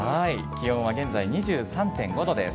気温は現在２３．５度です。